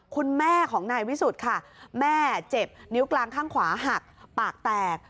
คุณแม่ของนายวิสุทธิ์ค่ะแม่เจ็บนิ้วกลางข้างขวาหักปากแตก